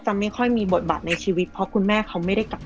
ไม่ค่อยมีบทบาทในชีวิตเพราะคุณแม่เขาไม่ได้กลับมา